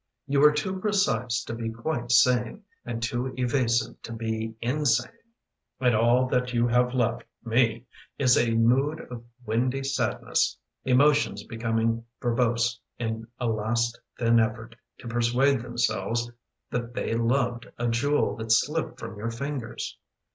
You are too precise to be quite sane And too evasive to be insane, And all that you have left me Is a mood of windy sadness — Emotions becoming verbose In a last thin effort To persuade themselves that they loved A jewel that slipped from your fingers.